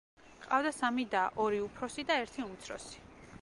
ჰყავდა სამი და: ორი უფროსი და ერთი უმცროსი.